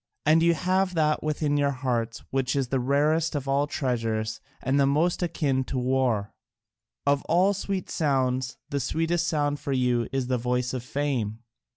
And you have that within your hearts which is the rarest of all treasures and the most akin to war: of all sweet sounds the sweetest sound for you is the voice of fame.